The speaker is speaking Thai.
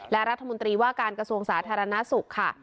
และรัฐมนตรีว่าการกระทรวงสาธารณสุขค่ะ